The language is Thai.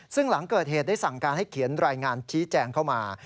ซึ่งหลังเกิดเหตุได้สั่งการให้เขียนรายงานชี้แจงเข้ามา